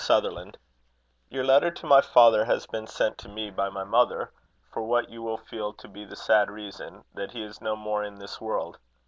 SUTHERLAND, Your letter to my father has been sent to me by my mother, for what you will feel to be the sad reason, that he is no more in this world.